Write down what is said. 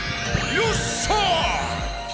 よっしゃあ！